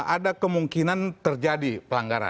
ada kemungkinan terjadi pelanggaran